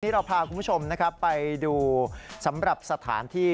ทีนี้เราพาคุณผู้ชมไปดูสำหรับสถานที่